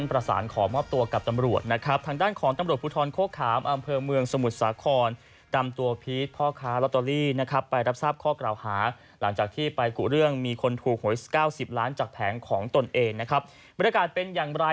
ประสานขอมอบตัวกับตำรวจนะครับทางด้านของตำรวจปูธรโคระ